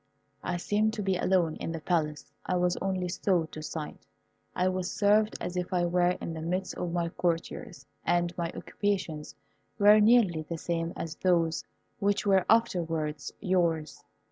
I seemed to be alone in the Palace. I was only so to sight. I was served as if I were in the midst of my courtiers, and my occupations were nearly the same as those which were afterwards yours.